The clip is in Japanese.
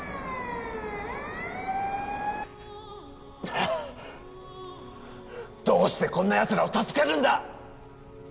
はっどうしてこんなヤツらを助けるんだ！？